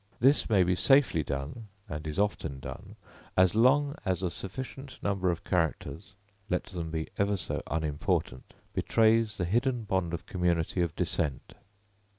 This may be safely done, and is often done, as long as a sufficient number of characters, let them be ever so unimportant, betrays the hidden bond of community of descent.